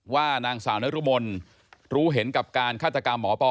ว่านางสาวนรมนรู้เห็นกับการฆาตกรรมหมอปอ